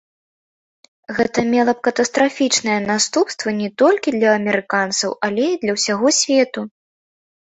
Гэта мела б катастрафічныя наступствы не толькі для амерыканцаў, але і для ўсяго свету.